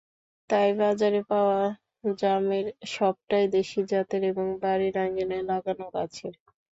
তাই বাজারে পাওয়া জামের সবটাই দেশি জাতের এবং বাড়ির আঙিনায় লাগানো গাছের।